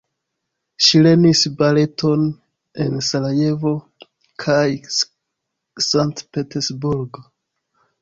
Ŝi lernis baleton en Sarajevo kaj Sankt-Petersburgo.